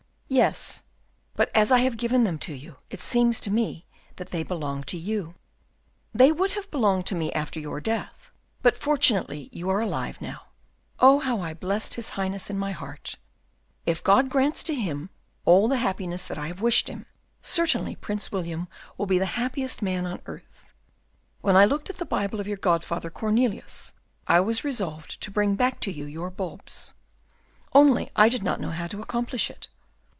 "Yes, but as I have given them to you, it seems to me that they belong to you." "They would have belonged to me after your death, but, fortunately, you are alive now. Oh how I blessed his Highness in my heart! If God grants to him all the happiness that I have wished him, certainly Prince William will be the happiest man on earth. When I looked at the Bible of your godfather Cornelius, I was resolved to bring back to you your bulbs, only I did not know how to accomplish it.